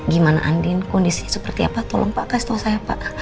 gimana andin kondisi seperti apa tolong pak kasih tahu saya pak